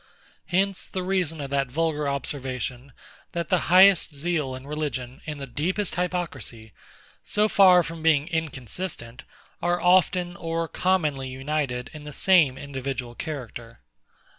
Hence the reason of that vulgar observation, that the highest zeal in religion and the deepest hypocrisy, so far from being inconsistent, are often or commonly united in the same individual character.